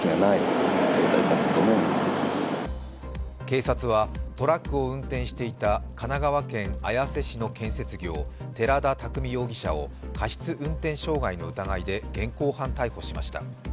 警察はトラックを運転していた神奈川県綾瀬市の建設業、寺田拓海容疑者を過失運転傷害の疑いで現行犯逮捕しました。